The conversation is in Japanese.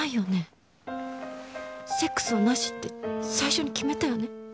セックスはなしって最初に決めたよね？